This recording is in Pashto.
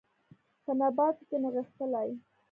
په نباتو کې نغښتلي